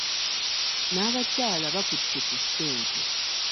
Nnabakyala bakute ku ssente.